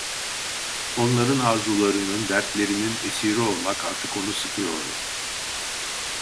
Onların arzularının, dertlerinin esiri olmak artık onu sıkıyordu.